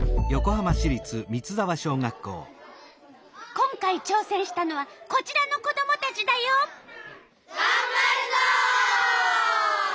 今回ちょうせんしたのはこちらの子どもたちだよ。がんばるぞ！